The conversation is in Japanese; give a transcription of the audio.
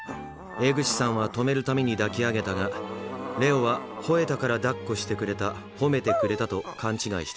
江口さんは止めるために抱き上げたがレオは「吠えたからだっこしてくれた褒めてくれた」と勘違いしてしまう。